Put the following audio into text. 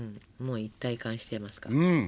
もう一体感してますか？